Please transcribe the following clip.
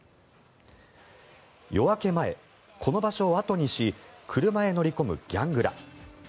夜明け前、この場所を後にし車に乗り込むギャングら。